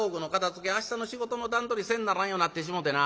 明日の仕事の段取りせんならんようになってしもうてな。